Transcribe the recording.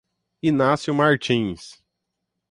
Inácio Martins